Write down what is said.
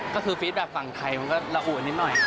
ก็คือฟีดแบบฝั่งไทยมันก็ระอุนิดหน่อย